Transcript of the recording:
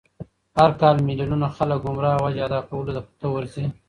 هر کال میلیونونه خلک عمره او حج ادا کولو ته ورځي.